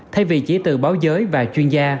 thay vì chỉ từ báo giới và chuyên gia